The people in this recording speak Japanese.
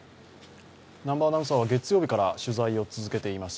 南波アナウンサーは月曜日から取材を続けています。